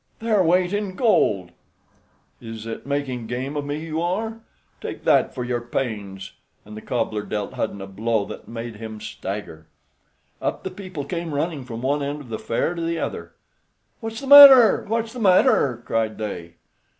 "Their weight in gold." "Is it making game of me you are? Take that for your pains," and the cobbler dealt Hudden a blow that made him stagger. Up the people came running from one end of the fair to the other. "What's the matter? What's the matter?" cried they.